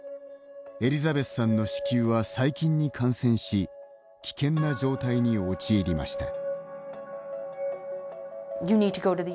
エリザベスさんの子宮は細菌に感染し危険な状態に陥りました。